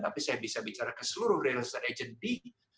tapi saya bisa bicara ke seluruh real estate agency